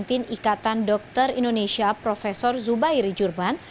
covid sembilan belas ikatan dokter indonesia profesor zubairi jurban